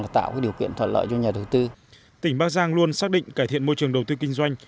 tỉnh bắc giang luôn xác định cải thiện môi trường đầu tư kinh doanh